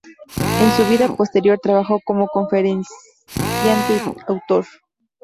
En su vida posterior, trabajó como conferenciante y autor.